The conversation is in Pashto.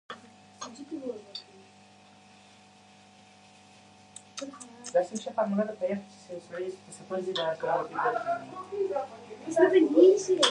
دوی غواړي خپلې حیاتي ګټې خوندي وساتي